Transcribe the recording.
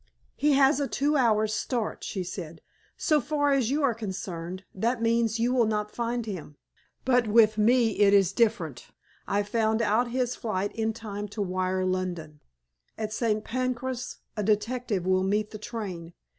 "He has a two hours' start," she said, "so far as you are concerned; that means that you will not find him. But with me it is different. I found out his flight in time to wire to London. At St. Pancras a detective will meet the train.